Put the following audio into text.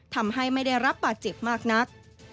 ทำให้ไม่ได้รับบาดเจ็บมากนัก